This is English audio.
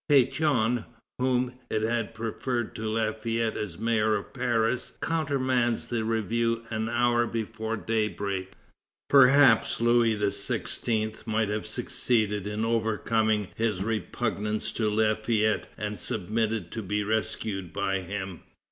Pétion, whom it had preferred to Lafayette as mayor of Paris, countermands the review an hour before daybreak. Perhaps Louis XVI. might have succeeded in overcoming his repugnance to Lafayette and submitted to be rescued by him.